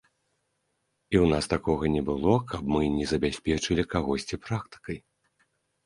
І ў нас такога не было, каб мы не забяспечылі кагосьці практыкай.